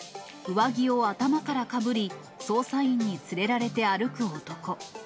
上着を頭からかぶり捜査員に連れられて歩く男。